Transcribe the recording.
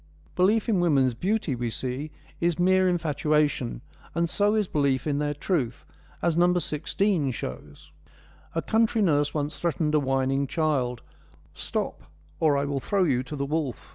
Belief in women's beauty, we see, is mere infatua tion, and so is belief in their truth, as No. 16 shows : A country nurse once threatened a whining child :' Stop, or I will throw you to the wolf.'